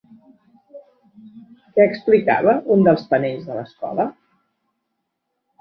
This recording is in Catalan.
Què explicava un dels panells de l'escola?